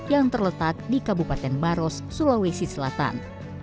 yang terletak di kabupaten maros sulawesi selatan